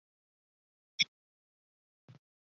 阿夫里耶莱蓬索人口变化图示